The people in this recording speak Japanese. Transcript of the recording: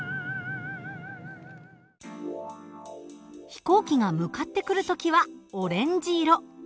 飛行機が向かってくる時はオレンジ色。